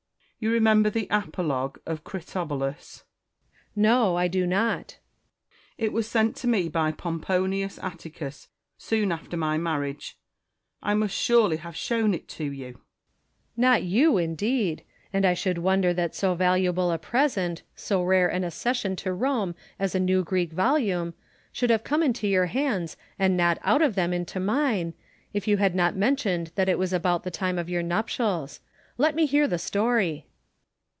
You remember the apologue of Critobulus 1 Quinctus. No, I do not. Marcus. It was sent to me by Pomponius Atticus soon after my marriage : I must surely have shown it to you. Quinctus. Not you, indeed : and I should wonder that so valuable a present, so rare an accession to Rome as a new Greek volume, could have come into your hands and not out of them into mine, if you had not mentioned that it was about the time of your nuptials. Let me hear the story.